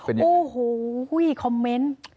โอ้โหคอมเมนต์